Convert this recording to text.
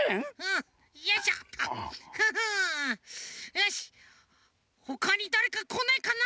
よしほかにだれかこないかな。